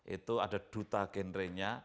itu ada duta genrenya